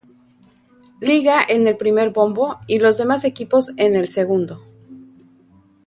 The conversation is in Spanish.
Liga en el primer bombo y los demás equipos en el segundo.